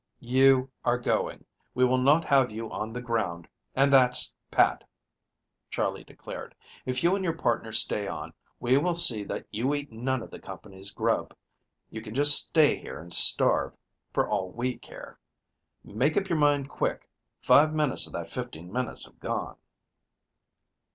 "You are going. We will not have you on the ground and that's pat," Charley declared. "If you and your partner stay on, we will see that you eat none of the company's grub. You can just stay here and starve, for all we care. Make up your mind quick five minutes of that fifteen minutes have gone."